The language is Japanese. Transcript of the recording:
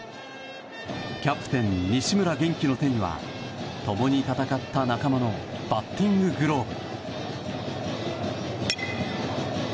キャプテン、西村元希の手には共に戦った仲間のバッティンググローブ。